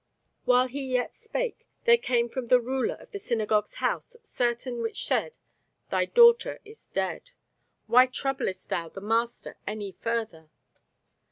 While he yet spake, there came from the ruler of the synagogue's house certain which said, Thy daughter is dead: why troublest thou the Master any further?